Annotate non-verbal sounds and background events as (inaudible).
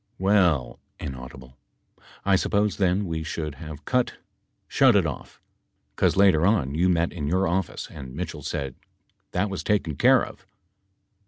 Well. (inaudible) I suppose then we should have cut — shut if off, 'cause later on you met in your office and Mitchell said, " That teas taken care of."